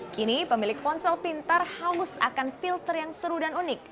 kini pemilik ponsel pintar hangus akan filter yang seru dan unik